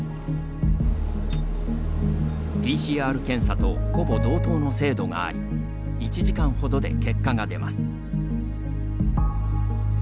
ＰＣＲ検査とほぼ同等の精度があり１時間ほどで結果が出ます。